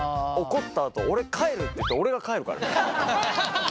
怒ったあと俺帰るって言って俺が帰るからね。